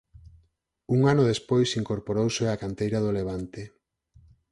Un ano despois incorporouse á canteira do Levante.